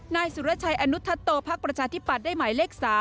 น่ายสุรชัยอนุททะโตพรรภ์ประชาธิปรัฐได้หมายเลข๓